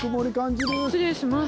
失礼します。